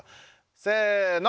せの！